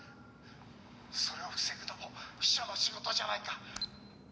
「それを防ぐのも秘書の仕事じゃないか」